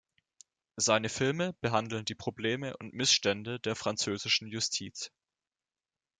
Seine Filme behandeln die Probleme und Missstände der französischen Justiz.